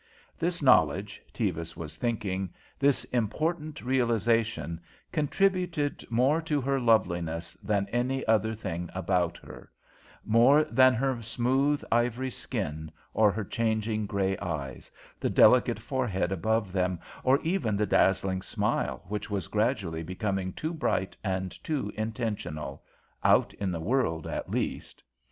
This knowledge, Tevis was thinking, this important realization, contributed more to her loveliness than any other thing about her; more than her smooth, ivory skin or her changing grey eyes, the delicate forehead above them, or even the dazzling smile, which was gradually becoming too bright and too intentional, out in the world, at least.